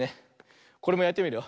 これもやってみるよ。